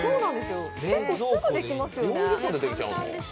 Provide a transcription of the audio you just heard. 結構すぐできますよね。